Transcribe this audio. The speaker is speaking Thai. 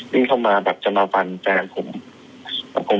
เรียงเข้ามาแบบจะมาฟันแหลงผม